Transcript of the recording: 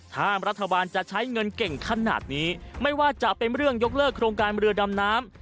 ถ้ารัฐบาลจะใช้เงินเก่งขนาดนี้ไม่ว่าจะเป็นเรื่องยกเลิกโครงการเรือดำน้ำ